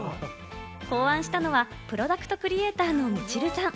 考案したのはプロダクトクリエイターのミチルさん。